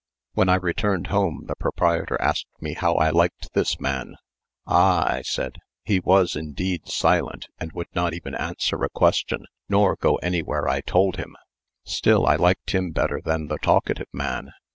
When I returned home, the proprietor asked me how I liked this man. "Ah!" I said, "he was indeed silent and would not even answer a question nor go anywhere I told him; still I liked him better than the talkative man."